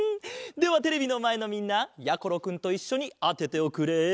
ではテレビのまえのみんなやころくんといっしょにあてておくれ。